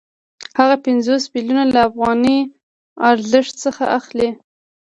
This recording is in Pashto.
هغه پنځوس میلیونه له اضافي ارزښت څخه اخلي